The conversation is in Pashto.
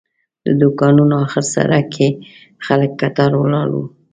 د دوکانونو آخر سر کې خلک کتار ولاړ وو.